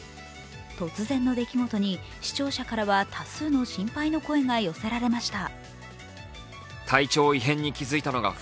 突然の出来事に視聴者からは多数の心配の声が寄せられました。